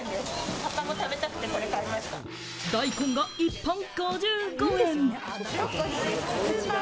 大根が１本５５円！